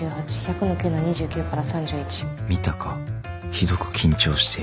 「ひどく」「緊張」「している」